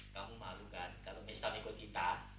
kamu malu kan kalau mistam ikut kita